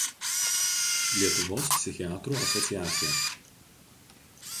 Lietuvos psichiatrų asociacija.